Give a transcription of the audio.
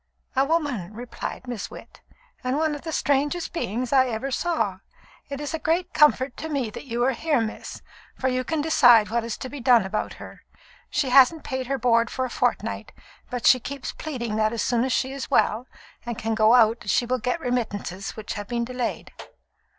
"A woman," replied Miss Witt, "and one of the strangest beings I ever saw. It is a great comfort to me that you are here, miss, for you can decide what is to be done about her. She hasn't paid her board for a fortnight, but she keeps pleading that as soon as she is well, and can go out, she will get remittances which have been delayed."